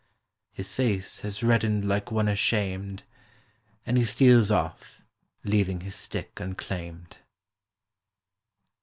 His face has reddened like one ashamed, And he steals off, leaving his stick unclaimed.